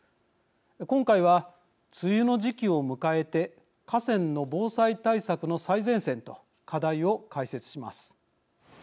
今回は梅雨の時期を迎えて河川の防災対策の最前線と課題を解説します。